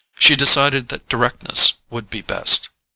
She decided that directness would be best.